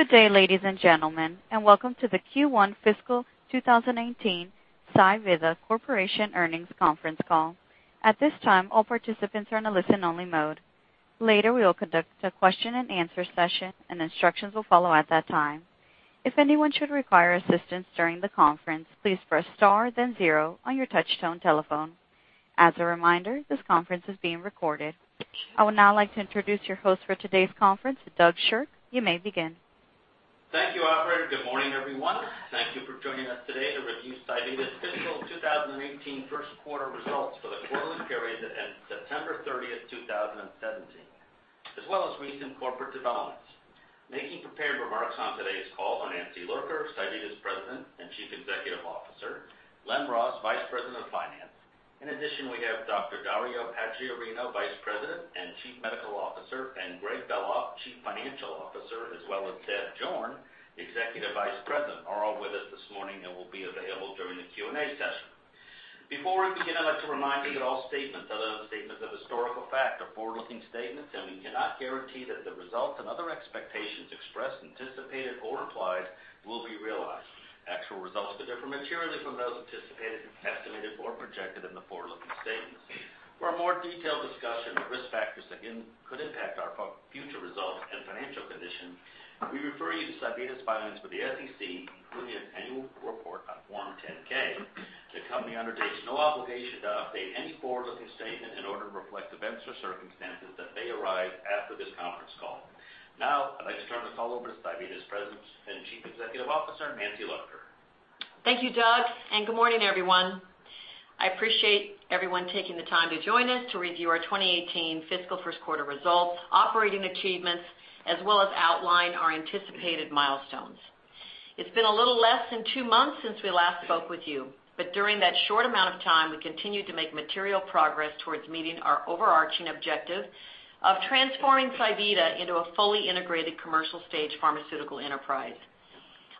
Good day, ladies and gentlemen, welcome to the Q1 fiscal 2018 pSivida Corporation earnings conference call. At this time, all participants are in a listen-only mode. Later, we will conduct a question and answer session, and instructions will follow at that time. If anyone should require assistance during the conference, please press star then zero on your touchtone telephone. As a reminder, this conference is being recorded. I would now like to introduce your host for today's conference, Doug Shirk. You may begin. Thank you, operator. Good morning, everyone. Thank you for joining us today to review pSivida's fiscal 2018 first-quarter results for the quarterly period that ends September 30th, 2017, as well as recent corporate developments. Making prepared remarks on today's call are Nancy Lurker, pSivida's President and Chief Executive Officer, Len Ross, Vice President of Finance. In addition, we have Dr. Dario Paggiarino, Vice President and Chief Medical Officer, and Gregg Beloff, Chief Financial Officer, as well as Deb Jorn, Executive Vice President, are all with us this morning and will be available during the Q&A session. Before we begin, I'd like to remind you that all statements other than statements of historical fact are forward-looking statements, and we cannot guarantee that the results and other expectations expressed, anticipated, or implied will be realized. Actual results could differ materially from those anticipated, estimated, or projected in the forward-looking statements. For a more detailed discussion of risk factors that could impact our future results and financial condition, we refer you to pSivida's filings with the SEC, including its annual report on Form 10-K. The company undertakes no obligation to update any forward-looking statement in order to reflect events or circumstances that may arise after this conference call. I'd like to turn this call over to pSivida's President and Chief Executive Officer, Nancy Lurker. Thank you, Doug. Good morning, everyone. I appreciate everyone taking the time to join us to review our 2018 fiscal first-quarter results, operating achievements, as well as outline our anticipated milestones. It's been a little less than two months since we last spoke with you, but during that short amount of time, we continued to make material progress towards meeting our overarching objective of transforming pSivida into a fully integrated commercial-stage pharmaceutical enterprise.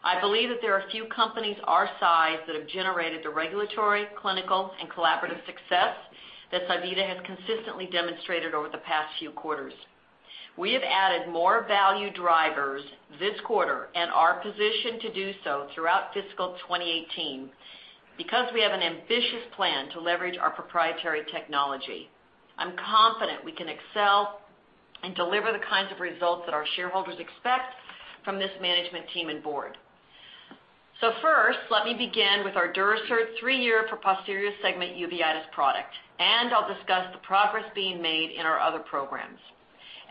I believe that there are few companies our size that have generated the regulatory, clinical, and collaborative success that pSivida has consistently demonstrated over the past few quarters. We have added more value drivers this quarter and are positioned to do so throughout fiscal 2018 because we have an ambitious plan to leverage our proprietary technology. I'm confident we can excel and deliver the kinds of results that our shareholders expect from this management team and board. First, let me begin with our Durasert 3-year for posterior segment uveitis product, and I'll discuss the progress being made in our other programs.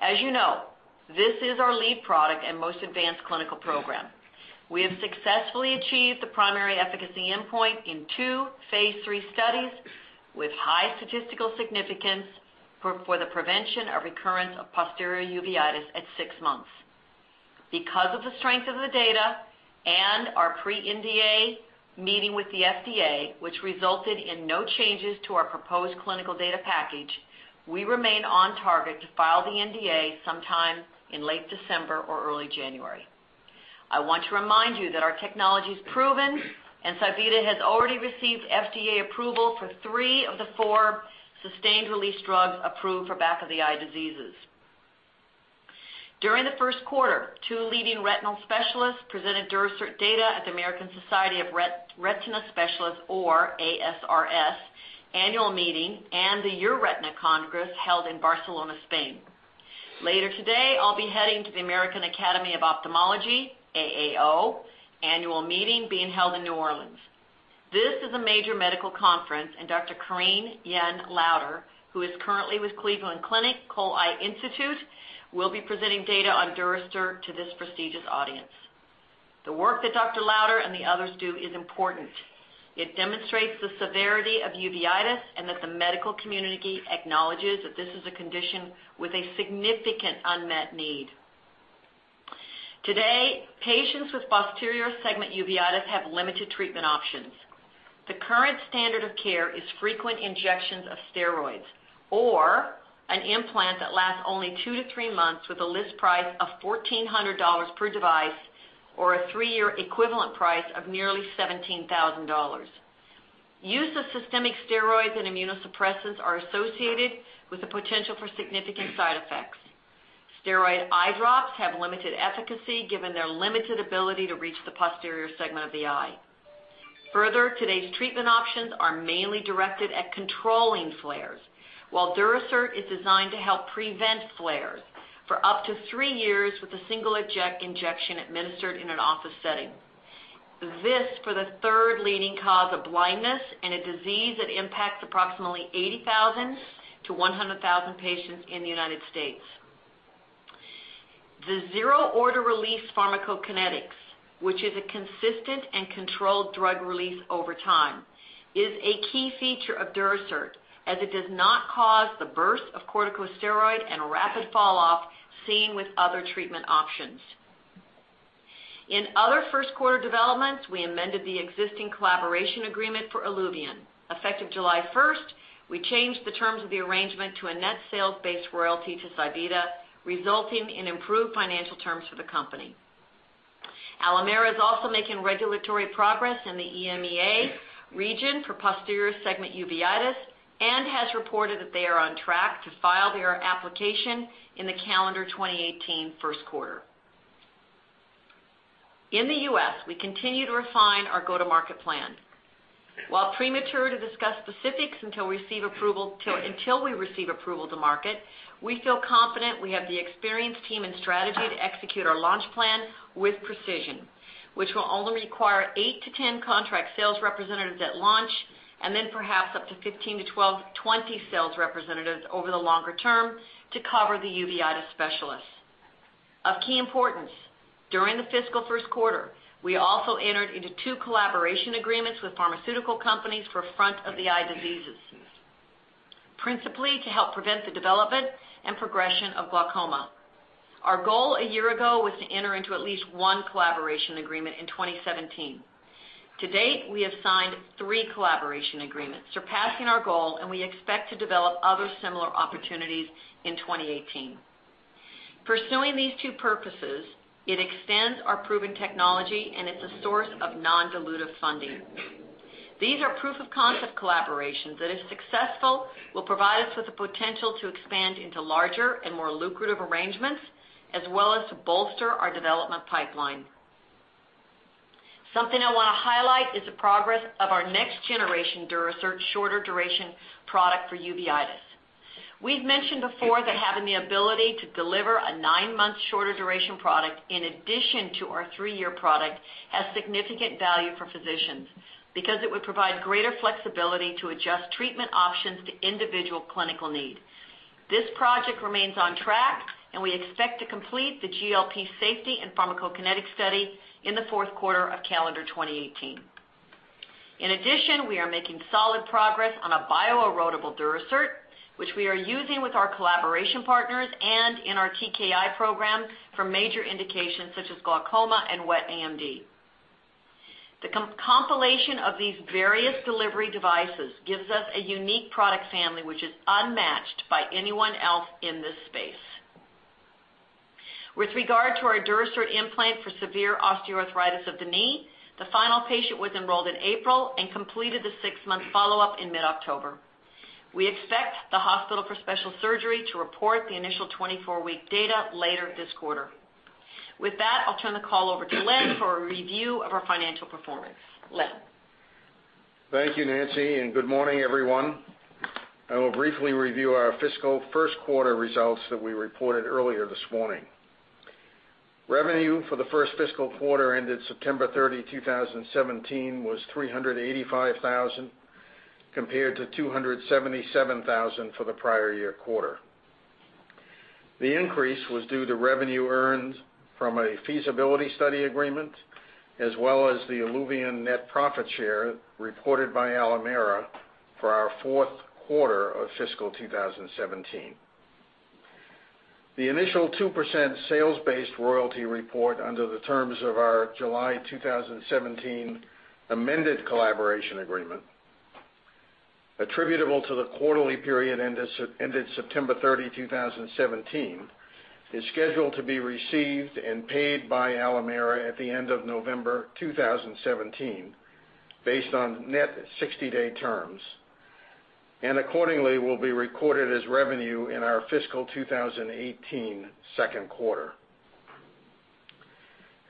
As you know, this is our lead product and most advanced clinical program. We have successfully achieved the primary efficacy endpoint in two phase III studies with high statistical significance for the prevention of recurrence of posterior uveitis at 6 months. Because of the strength of the data and our pre-NDA meeting with the FDA, which resulted in no changes to our proposed clinical data package, we remain on target to file the NDA sometime in late December or early January. I want to remind you that our technology is proven, pSivida has already received FDA approval for three of the four sustained-release drugs approved for back-of-the-eye diseases. During the first quarter, two leading retinal specialists presented Durasert data at the American Society of Retina Specialists, or ASRS, annual meeting and the EURETINA Congress held in Barcelona, Spain. Later today, I'll be heading to the American Academy of Ophthalmology, AAO, annual meeting being held in New Orleans. This is a major medical conference, and Dr. Careen Y. Lowder, who is currently with Cleveland Clinic Cole Eye Institute, will be presenting data on Durasert to this prestigious audience. The work that Dr. Lowder and the others do is important. It demonstrates the severity of uveitis and that the medical community acknowledges that this is a condition with a significant unmet need. Today, patients with posterior segment uveitis have limited treatment options. The current standard of care is frequent injections of steroids or an implant that lasts only two to three months with a list price of $1,400 per device or a 3-year equivalent price of nearly $17,000. Use of systemic steroids and immunosuppressants are associated with the potential for significant side effects. Steroid eye drops have limited efficacy given their limited ability to reach the posterior segment of the eye. Further, today's treatment options are mainly directed at controlling flares, while Durasert is designed to help prevent flares for up to three years with a single injection administered in an office setting. This for the third leading cause of blindness and a disease that impacts approximately 80,000 to 100,000 patients in the U.S. The zero-order release pharmacokinetics, which is a consistent and controlled drug release over time, is a key feature of Durasert, as it does not cause the burst of corticosteroid and rapid falloff seen with other treatment options. In other first-quarter developments, we amended the existing collaboration agreement for ILUVIEN. Effective July 1st, we changed the terms of the arrangement to a net sales-based royalty to pSivida, resulting in improved financial terms for the company. Alimera is also making regulatory progress in the EMEA region for posterior segment uveitis, has reported that they are on track to file their application in the calendar 2018 first quarter. In the U.S., we continue to refine our go-to-market plan. While premature to discuss specifics until we receive approval to market, we feel confident we have the experienced team and strategy to execute our launch plan with precision, which will only require 8 to 10 contract sales representatives at launch, and then perhaps up to 15 to 20 sales representatives over the longer term to cover the uveitis specialists. Of key importance, during the fiscal first quarter, we also entered into two collaboration agreements with pharmaceutical companies for front-of-the-eye diseases, principally to help prevent the development and progression of glaucoma. Our goal a year ago was to enter into at least one collaboration agreement in 2017. To date, we have signed three collaboration agreements, surpassing our goal, and we expect to develop other similar opportunities in 2018. Pursuing these two purposes, it extends our proven technology, and it's a source of non-dilutive funding. These are proof of concept collaborations that, if successful, will provide us with the potential to expand into larger and more lucrative arrangements, as well as to bolster our development pipeline. Something I want to highlight is the progress of our next generation Durasert shorter duration product for uveitis. We've mentioned before that having the ability to deliver a nine-month shorter duration product in addition to our three-year product has significant value for physicians, because it would provide greater flexibility to adjust treatment options to individual clinical need. This project remains on track, and we expect to complete the GLP safety and pharmacokinetic study in the fourth quarter of calendar 2018. In addition, we are making solid progress on a bio-erodible Durasert, which we are using with our collaboration partners and in our TKI program for major indications such as glaucoma and wet AMD. The compilation of these various delivery devices gives us a unique product family, which is unmatched by anyone else in this space. With regard to our Durasert implant for severe osteoarthritis of the knee, the final patient was enrolled in April and completed the six-month follow-up in mid-October. We expect the Hospital for Special Surgery to report the initial 24-week data later this quarter. With that, I'll turn the call over to Len for a review of our financial performance. Len? Thank you, Nancy, and good morning, everyone. I will briefly review our fiscal first quarter results that we reported earlier this morning. Revenue for the first fiscal quarter ended September 30, 2017, was $385,000, compared to $277,000 for the prior year quarter. The increase was due to revenue earned from a feasibility study agreement as well as the ILUVIEN net profit share reported by Alimera for our fourth quarter of fiscal 2017. The initial 2% sales-based royalty report under the terms of our July 2017 amended collaboration agreement attributable to the quarterly period ended September 30, 2017, is scheduled to be received and paid by Alimera at the end of November 2017 based on net 60-day terms, and accordingly will be recorded as revenue in our fiscal 2018 second quarter.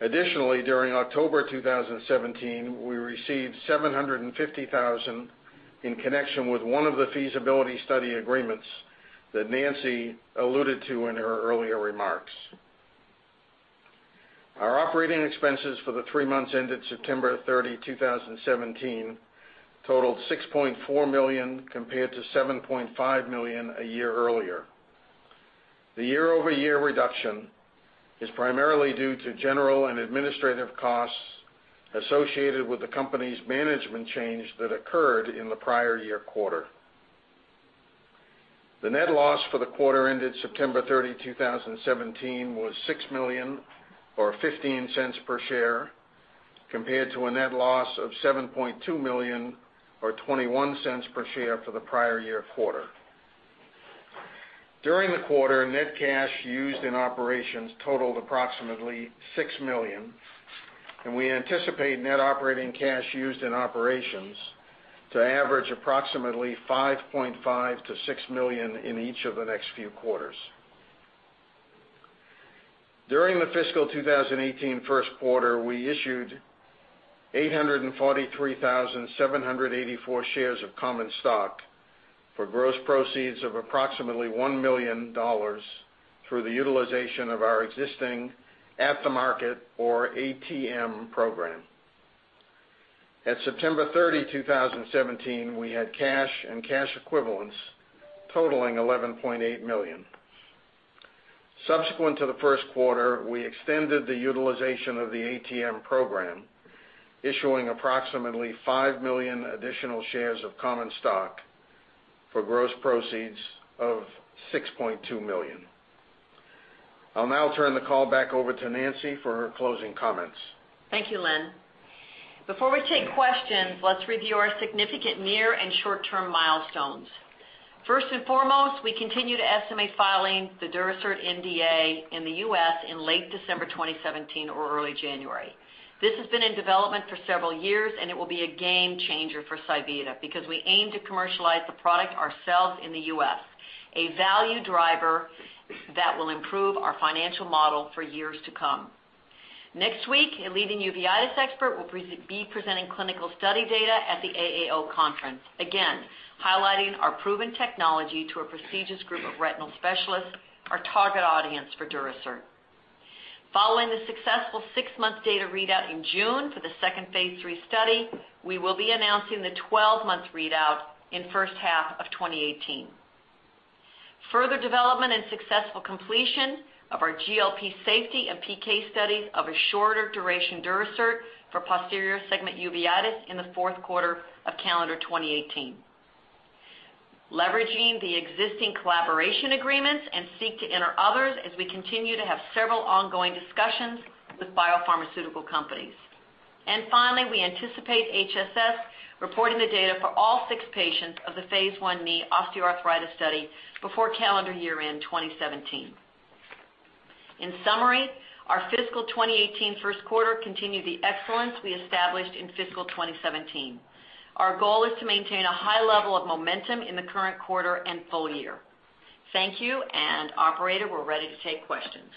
Additionally, during October 2017, we received $750,000 in connection with one of the feasibility study agreements that Nancy alluded to in her earlier remarks. Our operating expenses for the three months ended September 30, 2017, totaled $6.4 million, compared to $7.5 million a year earlier. The year-over-year reduction is primarily due to general and administrative costs associated with the company's management change that occurred in the prior year quarter. The net loss for the quarter ended September 30, 2017, was $6 million, or $0.15 per share, compared to a net loss of $7.2 million, or $0.21 per share for the prior year quarter. During the quarter, net cash used in operations totaled approximately $6 million, and we anticipate net operating cash used in operations to average approximately $5.5 million-$6 million in each of the next few quarters. During the fiscal 2018 first quarter, we issued 843,784 shares of common stock for gross proceeds of approximately $1 million through the utilization of our existing at-the-market, or ATM, program. At September 30, 2017, we had cash and cash equivalents totaling $11.8 million. Subsequent to the first quarter, we extended the utilization of the ATM program, issuing approximately 5 million additional shares of common stock for gross proceeds of $6.2 million. I'll now turn the call back over to Nancy for her closing comments. Thank you, Len. Before we take questions, let's review our significant near and short-term milestones. First and foremost, we continue to estimate filing the Durasert NDA in the U.S. in late December 2017 or early January. This has been in development for several years, and it will be a game changer for pSivida because we aim to commercialize the product ourselves in the U.S., a value driver that will improve our financial model for years to come. Next week, a leading uveitis expert will be presenting clinical study data at the AAO conference, again, highlighting our proven technology to a prestigious group of retinal specialists, our target audience for Durasert. Following the successful six-month data readout in June for the second phase III study, we will be announcing the 12-month readout in the first half of 2018. Further development and successful completion of our GLP safety and PK studies of a shorter duration Durasert for posterior segment uveitis in the fourth quarter of calendar 2018. Leveraging the existing collaboration agreements and seek to enter others as we continue to have several ongoing discussions with biopharmaceutical companies. And finally, we anticipate HSS reporting the data for all six patients of the phase I knee osteoarthritis study before calendar year-end 2017. In summary, our fiscal 2018 first quarter continued the excellence we established in fiscal 2017. Our goal is to maintain a high level of momentum in the current quarter and full year. Thank you, and operator, we're ready to take questions.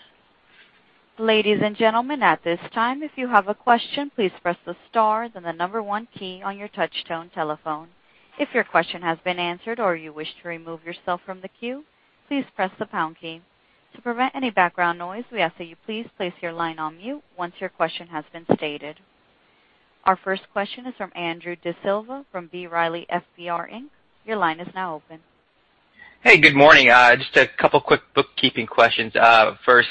Ladies and gentlemen, at this time, if you have a question, please press the star, then the number 1 key on your touchtone telephone. If your question has been answered or you wish to remove yourself from the queue, please press the pound key. To prevent any background noise, we ask that you please place your line on mute once your question has been stated. Our first question is from Andrew D'Silva from B. Riley FBR, Inc. Your line is now open. Hey, good morning. Just a couple quick bookkeeping questions. First,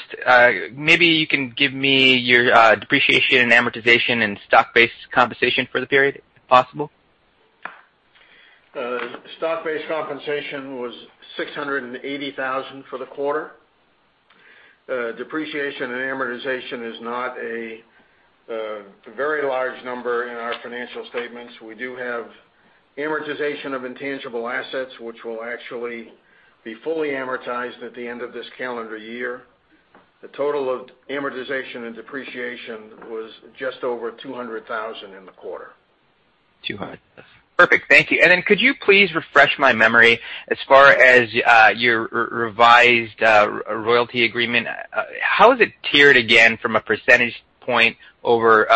maybe you can give me your depreciation and amortization in stock-based compensation for the period, if possible. Stock-based compensation was $680,000 for the quarter. Depreciation and amortization is not a very large number in our financial statements. We do have amortization of intangible assets, which will actually be fully amortized at the end of this calendar year. The total amortization and depreciation was just over $200,000 in the quarter. $200. Perfect. Thank you. Then could you please refresh my memory as far as your revised royalty agreement? How is it tiered again from a percentage point over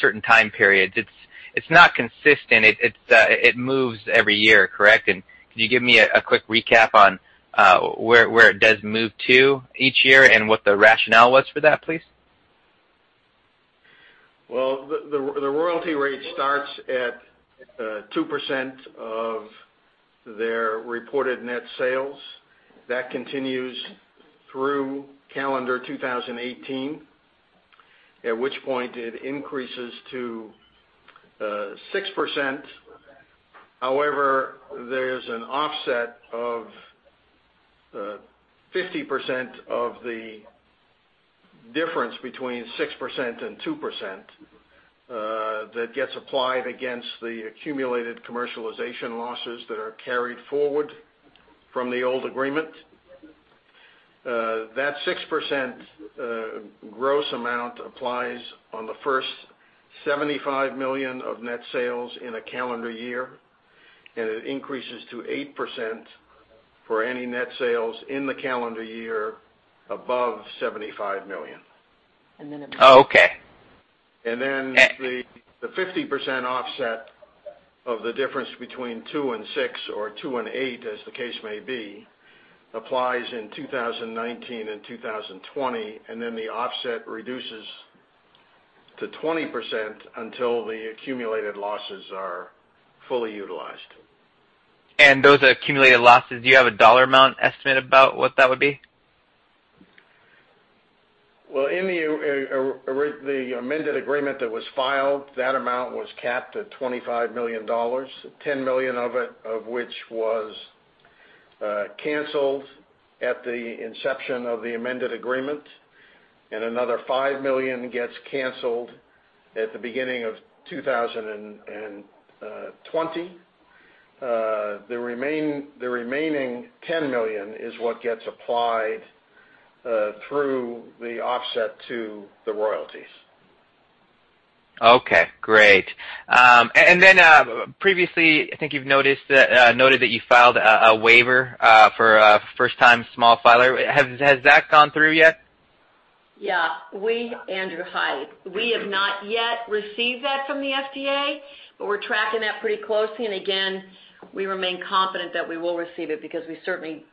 certain time periods? It's not consistent. It moves every year, correct? Could you give me a quick recap on where it does move to each year and what the rationale was for that, please? Well, the royalty rate starts at 2% of their reported net sales. That continues through calendar 2018, at which point it increases to 6%. However, there's an offset of 50% of the difference between 6% and 2% that gets applied against the accumulated commercialization losses that are carried forward from the old agreement. That 6% gross amount applies on the first $75 million of net sales in a calendar year, and it increases to 8% for any net sales in the calendar year above $75 million. And then it- Oh, okay. The 50% offset of the difference between two and six or two and eight, as the case may be, applies in 2019 and 2020, and then the offset reduces to 20% until the accumulated losses are fully utilized. Those accumulated losses, do you have a dollar amount estimate about what that would be? In the amended agreement that was filed, that amount was capped at $25 million, $10 million of which was canceled at the inception of the amended agreement, and another $5 million gets canceled at the beginning of 2020. The remaining $10 million is what gets applied through the offset to the royalties. Okay, great. Previously, I think you've noted that you filed a waiver for a first-time small filer. Has that gone through yet? Yeah. Andrew, hi. We have not yet received that from the FDA, but we're tracking that pretty closely, and again, we remain confident that we will receive it because we certainly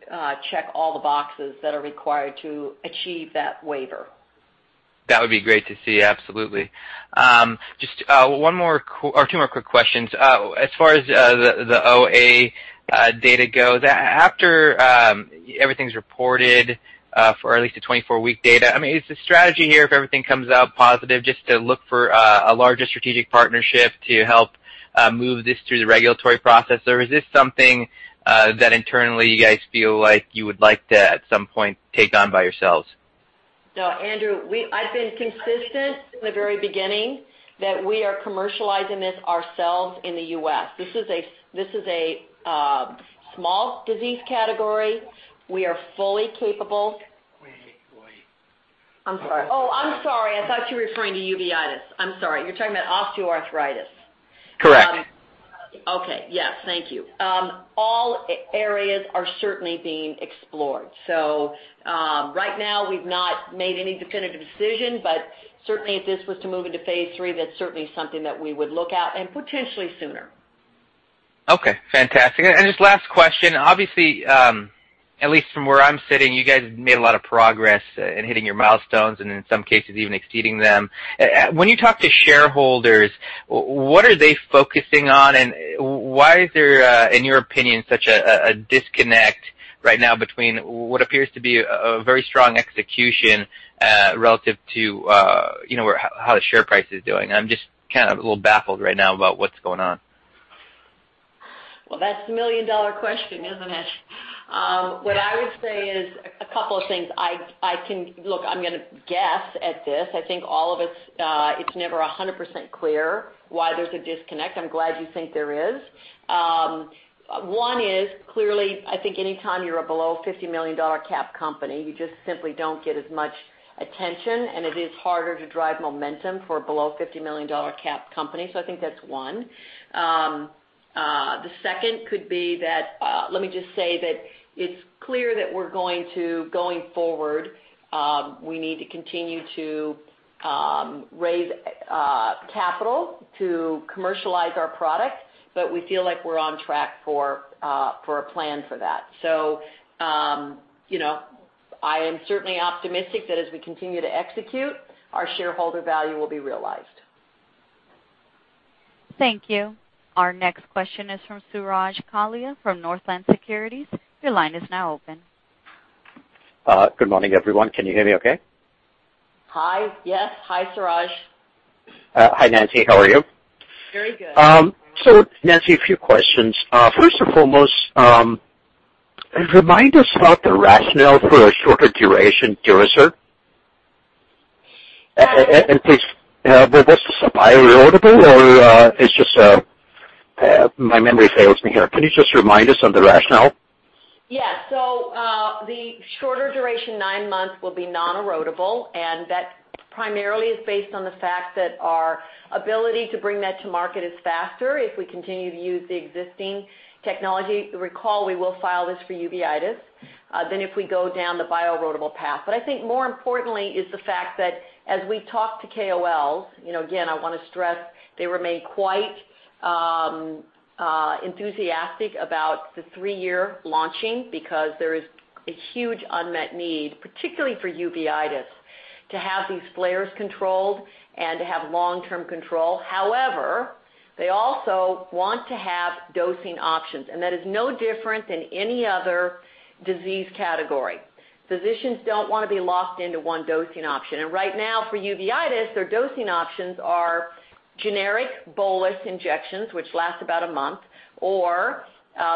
check all the boxes that are required to achieve that waiver. That would be great to see. Absolutely. Just two more quick questions. As far as the OA data goes, after everything's reported, for at least the 24-week data, is the strategy here if everything comes out positive, just to look for a larger strategic partnership to help move this through the regulatory process? Or is this something that internally you guys feel like you would like to, at some point, take on by yourselves? No, Andrew, I've been consistent from the very beginning that we are commercializing this ourselves in the U.S. This is a small disease category. We are fully capable. I'm sorry. Oh, I'm sorry. I thought you were referring to uveitis. I'm sorry. You're talking about osteoarthritis. Correct. Okay. Yes. Thank you. All areas are certainly being explored. Right now, we've not made any definitive decision, but certainly if this was to move into phase III, that's certainly something that we would look at, and potentially sooner. Okay, fantastic. Just last question, obviously, at least from where I'm sitting, you guys have made a lot of progress in hitting your milestones, and in some cases, even exceeding them. When you talk to shareholders, what are they focusing on, and why is there, in your opinion, such a disconnect right now between what appears to be a very strong execution, relative to how the share price is doing? I'm just kind of a little baffled right now about what's going on. That's the million-dollar question, isn't it? What I would say is a couple of things. Look, I'm going to guess at this. I think all of it's never 100% clear why there's a disconnect. I'm glad you think there is. One is clearly, I think anytime you're a below $50 million cap company, you just simply don't get as much attention, and it is harder to drive momentum for a below $50 million cap company. I think that's one. The second could be that, let me just say that it's clear that going forward, we need to continue to raise capital to commercialize our product, but we feel like we're on track for a plan for that. I am certainly optimistic that as we continue to execute, our shareholder value will be realized. Thank you. Our next question is from Suraj Kalia from Northland Securities. Your line is now open. Good morning, everyone. Can you hear me okay? Hi. Yes. Hi, Suraj. Hi, Nancy. How are you? Very good. Nancy, a few questions. First and foremost, remind us about the rationale for a shorter duration Durasert. Please, was this bio-erodible, or my memory fails me here. Can you just remind us of the rationale? Yeah. The shorter duration nine months will be non-erodible, and that primarily is based on the fact that our ability to bring that to market is faster if we continue to use the existing technology. Recall, we will file this for uveitis, than if we go down the bio-erodible path. I think more importantly is the fact that as we talk to KOLs, again, I want to stress they remain quite enthusiastic about the three-year launching because there is a huge unmet need, particularly for uveitis, to have these flares controlled and to have long-term control. However, they also want to have dosing options, and that is no different than any other disease category. Physicians don't want to be locked into one dosing option. Right now for uveitis, their dosing options are generic bolus injections, which last about a month.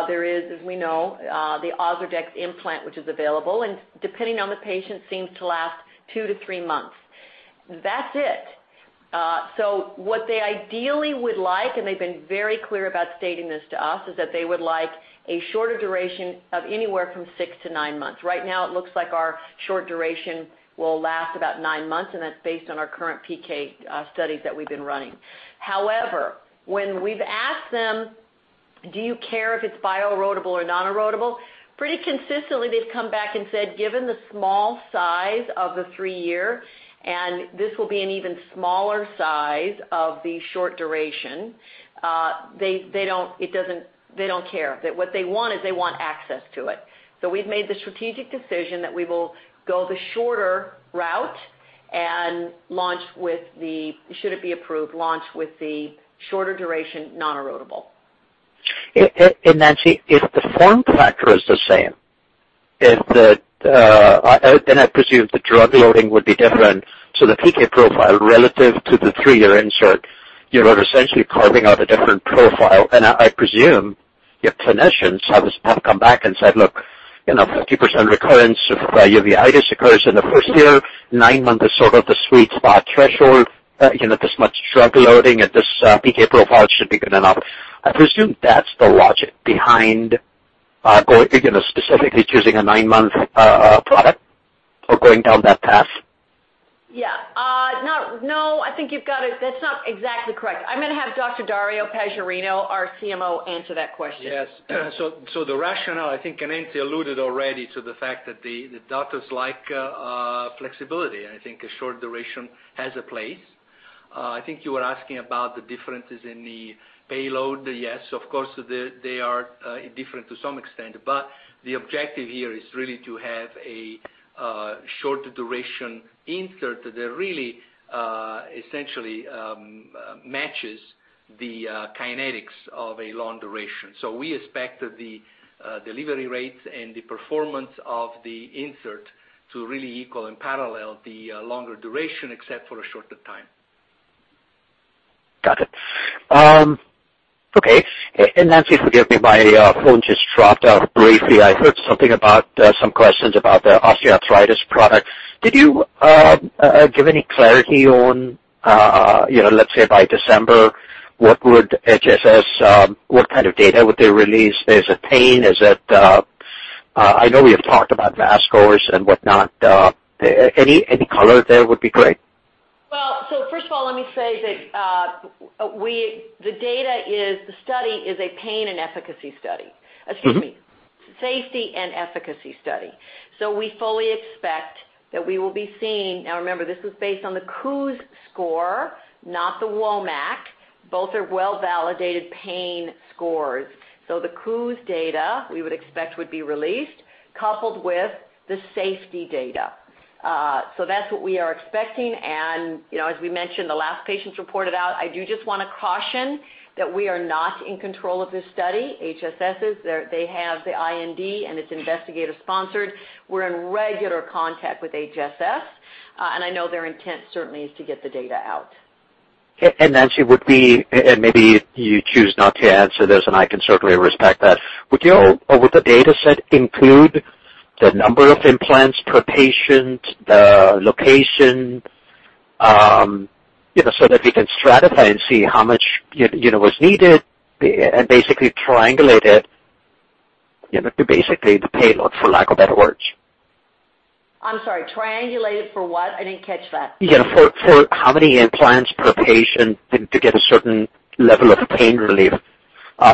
There is, as we know, the OZURDEX implant, which is available, and depending on the patient, seems to last two to three months. That's it. What they ideally would like, and they've been very clear about stating this to us, is that they would like a shorter duration of anywhere from six to nine months. Right now, it looks like our short duration will last about nine months, and that's based on our current PK studies that we've been running. However, when we've asked them, do you care if it's bio-erodible or non-erodible? Pretty consistently, they've come back and said, given the small size of the three-year, and this will be an even smaller size of the short duration, they don't care. That what they want is they want access to it. We've made the strategic decision that we will go the shorter route and should it be approved, launch with the shorter duration non-erodible. Nancy, if the form factor is the same, and I presume the drug loading would be different, so the PK profile relative to the three-year insert, you're essentially carving out a different profile. I presume your clinicians have come back and said, look, 50% recurrence of uveitis occurs in the first year. Nine months is sort of the sweet spot threshold. This much drug loading and this PK profile should be good enough. I presume that's the logic behind specifically choosing a nine-month product or going down that path. Yeah. No, that's not exactly correct. I'm going to have Dr. Dario Paggiarino, our CMO, answer that question. Yes. The rationale, I think, and Nancy alluded already to the fact that the doctors like flexibility, and I think a short duration has a place. I think you were asking about the differences in the payload. Of course, they are different to some extent, but the objective here is really to have a shorter duration insert that really essentially matches the kinetics of a long duration. We expect the delivery rates and the performance of the insert to really equal and parallel the longer duration except for a shorter time. Got it. Okay. Nancy, forgive me, my phone just dropped off briefly. I heard some questions about the osteoarthritis product. Did you give any clarity on, let's say, by December, what kind of data would HSS release? Is it pain? I know we have talked about VAS scores and whatnot. Any color there would be great. First of all, let me say that the study is a pain and efficacy study. Excuse me, safety and efficacy study. We fully expect that we will be seeing. Now remember, this is based on the KOOS score, not the WOMAC. Both are well-validated pain scores. The KOOS data, we would expect would be released, coupled with the safety data. That's what we are expecting, and as we mentioned, the last patients reported out. I do just want to caution that we are not in control of this study. HSS is. They have the IND, and it's investigator-sponsored. We're in regular contact with HSS, and I know their intent certainly is to get the data out. Nancy, would we, and maybe you choose not to answer this, and I can certainly respect that. Would the data set include the number of implants per patient, the location, so that we can stratify and see how much was needed and basically triangulate it to basically the payload, for lack of better words? I'm sorry, triangulate it for what? I didn't catch that. For how many implants per patient to get a certain level of pain relief.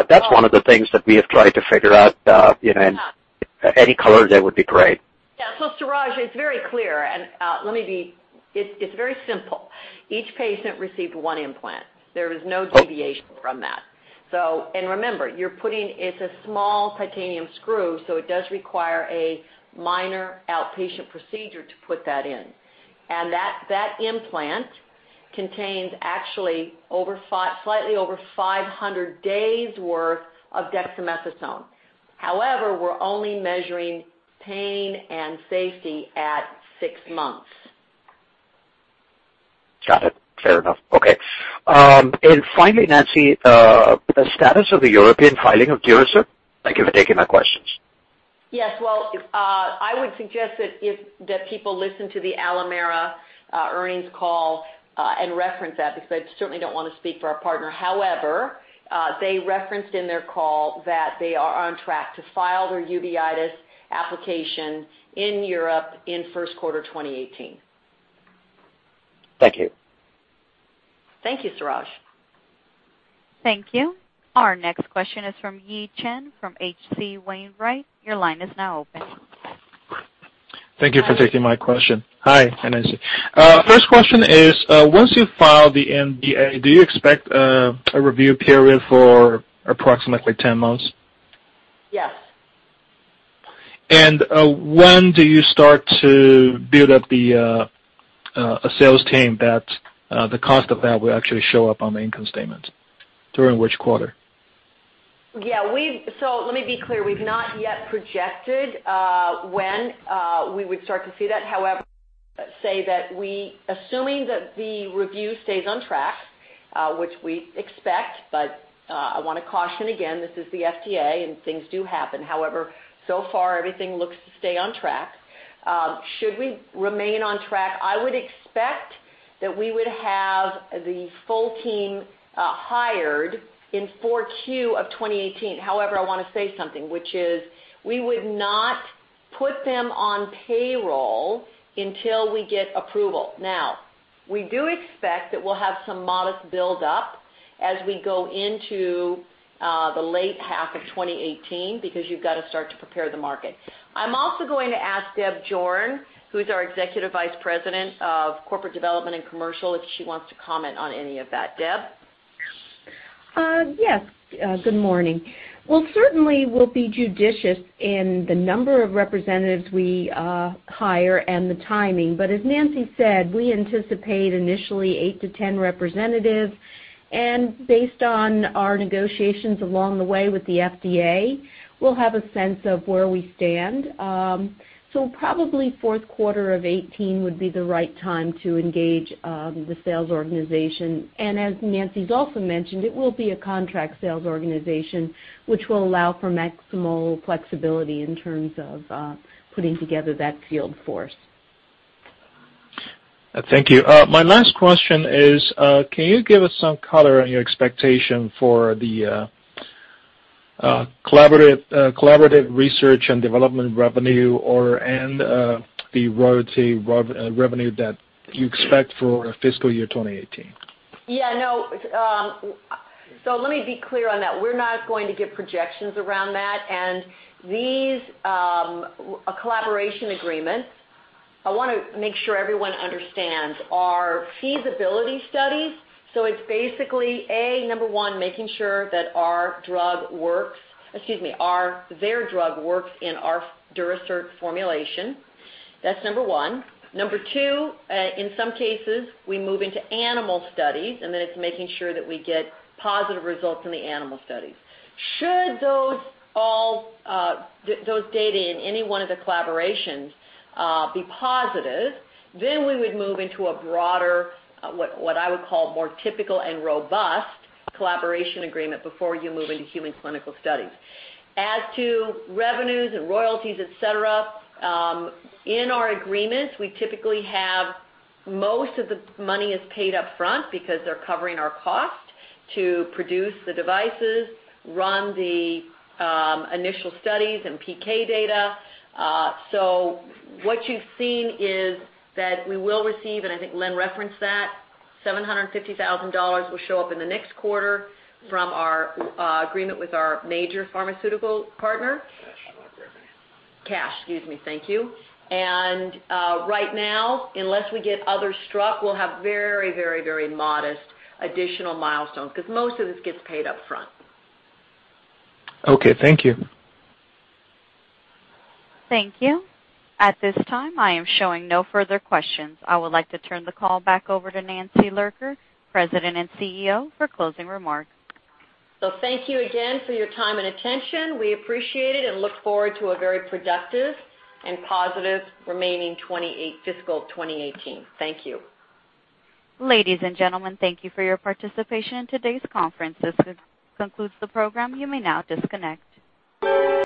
That's one of the things that we have tried to figure out, any color there would be great. Yeah. Suraj, it's very clear, and it's very simple. Each patient received one implant. There was no deviation from that. Remember, it's a small titanium screw, so it does require a minor outpatient procedure to put that in. That implant contains actually slightly over 500 days worth of dexamethasone. However, we're only measuring pain and safety at six months. Got it. Fair enough. Okay. Finally, Nancy, the status of the European filing of Durasert? Thank you for taking my questions. Yes. Well, I would suggest that people listen to the Alimera earnings call and reference that because I certainly don't want to speak for our partner. However, they referenced in their call that they are on track to file their uveitis application in Europe in first quarter 2018. Thank you. Thank you, Suraj. Thank you. Our next question is from Yi Chen from H.C. Wainwright. Your line is now open. Thank you for taking my question. Hi, Nancy. First question is, once you file the NDA, do you expect a review period for approximately 10 months? Yes. When do you start to build up a sales team that the cost of that will actually show up on the income statement? During which quarter? Let me be clear. We've not yet projected when we would start to see that. However, say that assuming that the review stays on track, which we expect, I want to caution again, this is the FDA, and things do happen. So far everything looks to stay on track. Should we remain on track, I would expect that we would have the full team hired in 4Q of 2018. I want to say something, which is we would not put them on payroll until we get approval. We do expect that we'll have some modest build-up as we go into the late half of 2018, because you've got to start to prepare the market. I'm also going to ask Deb Jorn, who's our Executive Vice President of Corporate Development and Commercial, if she wants to comment on any of that. Deb? Yes. Good morning. Well, certainly, we'll be judicious in the number of representatives we hire and the timing. As Nancy said, we anticipate initially eight to 10 representatives, and based on our negotiations along the way with the FDA, we'll have a sense of where we stand. Probably fourth quarter of 2018 would be the right time to engage the sales organization. As Nancy's also mentioned, it will be a contract sales organization, which will allow for maximal flexibility in terms of putting together that field force. Thank you. My last question is, can you give us some color on your expectation for the collaborative research and development revenue or/and the royalty revenue that you expect for fiscal year 2018? Yeah. Let me be clear on that. We're not going to give projections around that. These collaboration agreements, I want to make sure everyone understands, are feasibility studies. It's basically, A, number one, making sure that their drug works in our Durasert formulation. That's number one. Number two, in some cases, we move into animal studies, and then it's making sure that we get positive results in the animal studies. Should those data in any one of the collaborations be positive, then we would move into a broader, what I would call more typical and robust collaboration agreement before you move into human clinical studies. As to revenues and royalties, et cetera, in our agreements, we typically have most of the money is paid up front because they're covering our cost to produce the devices, run the initial studies and PK data. What you've seen is that we will receive, and I think Len referenced that, $750,000 will show up in the next quarter from our agreement with our major pharmaceutical partner. Cash, not revenue. Cash. Excuse me. Thank you. Right now, unless we get other struck, we'll have very modest additional milestones, because most of this gets paid up front. Okay, thank you. Thank you. At this time, I am showing no further questions. I would like to turn the call back over to Nancy Lurker, President and CEO, for closing remarks. Thank you again for your time and attention. We appreciate it and look forward to a very productive and positive remaining fiscal 2018. Thank you. Ladies and gentlemen, thank you for your participation in today's conference. This concludes the program. You may now disconnect.